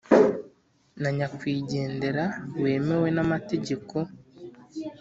na nyakwigendera wemewe n‟amategeko